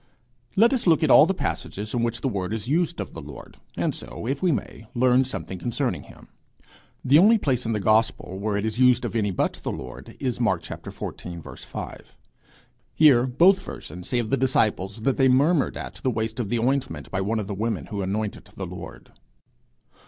Let us look at all the passages in which the word is used of the Lord, and so, if we may, learn something concerning him. The only place in the gospel where it is used of any but the Lord is Mark xiv. 5. Here both versions say of the disciples that they 'murmured at' the waste of the ointment by one of the women who anointed the Lord.